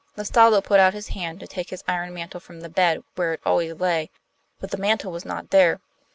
The Stalo put out his hand to take his iron mantle from the bed, where it always lay, but the mantle was no there.